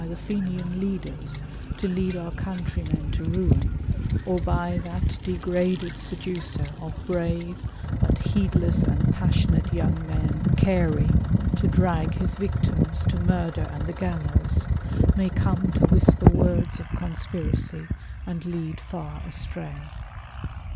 the Fenian leaders to lead our countrymen to ruin, or by that degraded seducer of brave, but heedless and passionate young men, Carey, to drag his victims to murder and the gallows, may come to whisper words of conspiracy and lead fir astray.